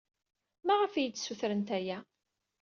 Maɣef ay iyi-d-ssutrent aya?